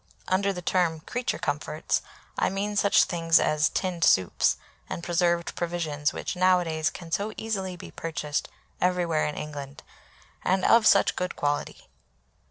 Under the term "creature comforts" I mean such things as tinned soups and preserved provisions which nowadays can so easily be purchased everywhere in England, and of such good quality.